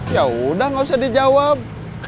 yaudah gausah dijawab